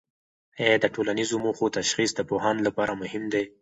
آیا د ټولنیزو موخو تشخیص د پوهاند لپاره مهم دی؟